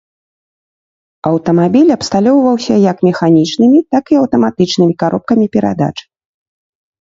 Аўтамабіль абсталёўваўся як механічнымі, так і аўтаматычнымі каробкамі перадач.